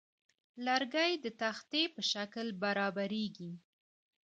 لرګی د تختې په شکل برابریږي.